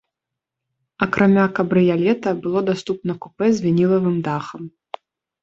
Акрамя кабрыялета, было даступна купэ з вінілавым дахам.